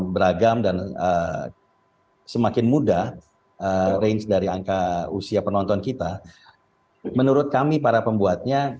beragam dan semakin mudah range dari angka usia penonton kita menurut kami para pembuatnya